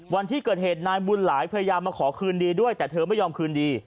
วันที่เกิดเหตุนายบุญหลายพยายามมาขอคืนดีด้วยแต่เธอไม่ยอมคืนดี